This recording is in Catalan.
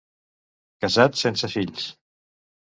Casat sense fills.